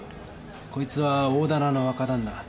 こいつは大店の若旦那。